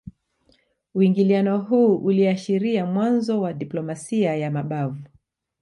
Uingiliano huu uliashiria mwanzo wa diplomasia ya mabavu